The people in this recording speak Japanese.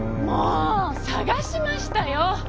もう捜しましたよ！